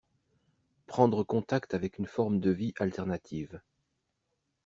Prendre contact avec une forme de vie alternative.